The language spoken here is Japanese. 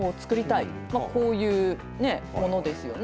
まあこういうものですよね。